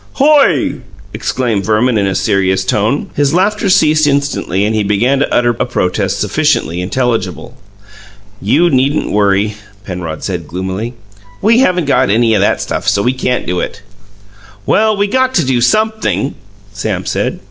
"Hoy!" exclaimed Verman, in a serious tone. His laughter ceased instantly, and he began to utter a protest sufficiently intelligible. "You needn't worry," Penrod said gloomily. "We haven't got any o' that stuff; so we can't do it." "Well, we got to do sumpthing," Sam said.